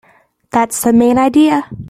That's the main idea.